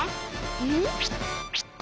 うん？